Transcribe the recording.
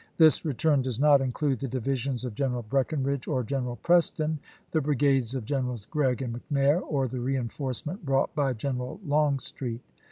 This return does not include the divisions of General Breckinridge or General Preston, the brigades of Generals Gregg and McNair, or the reenforcement brought by General Longstreet.